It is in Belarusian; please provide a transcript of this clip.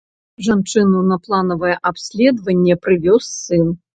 Жанчыну на планавае абследаванне прывёз сын.